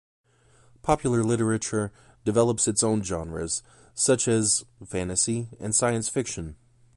Popular literature develops its own genres such as fantasy and science fiction.